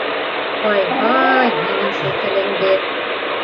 — Ай-һай, һинең шул телеңде!